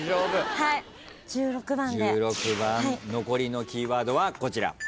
残りのキーワードはこちら。